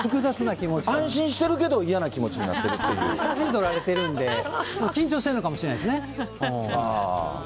安心してるけど嫌な気持ちに写真撮られてるんで、緊張してるのかもしれないですね。